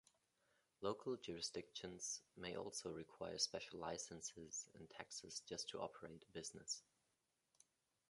Local jurisdictions may also require special licenses and taxes just to operate a business.